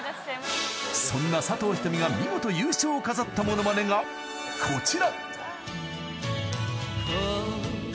［そんな佐藤仁美が見事優勝を飾ったモノマネがこちら］